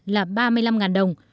loại hai là ba mươi năm đồng